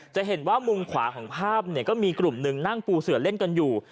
จะเห็นว่ามุมขวาของภาพเนี่ยก็มีกลุ่มหนึ่งนั่งปูเสือเล่นกันอยู่